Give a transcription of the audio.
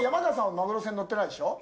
マグロ船に乗ってないでしょう。